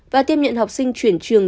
và tiếp nhận học sinh chuyển trường